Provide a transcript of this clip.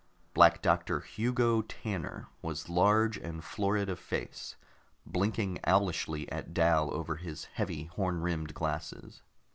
Black Doctor Hugo Tanner was large and florid of face, blinking owlishly at Dal over his heavy horn rimmed glasses.